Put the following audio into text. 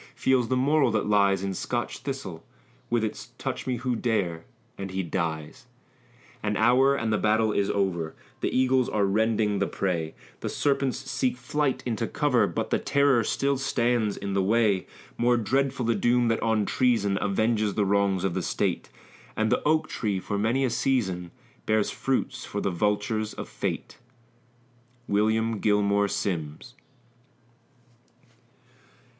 Feels the moral that lies in Scotch thistle, With its "touch me who dare" and he dies! An hour, and the battle is over; The eagles are rending the prey; The serpents seek flight into cover, But the terror still stands in the way: More dreadful the doom that on treason Avenges the wrongs of the state; And the oak tree for many a season Bears fruit for the vultures of fate! WILLIAM GILMORE SIMMS.